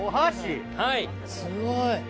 すごい。